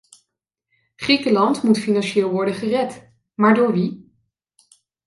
Griekenland moet financieel worden gered - maar door wie?